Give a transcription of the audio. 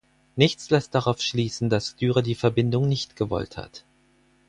Nichts lässt darauf schließen, dass Dürer die Verbindung nicht gewollt hat.